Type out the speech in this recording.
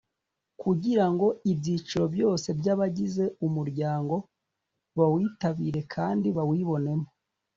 kugira ngo ibyiciro byose by’abagize umuryango bawitabire kandi bawibonemo.